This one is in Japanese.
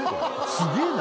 すげえな！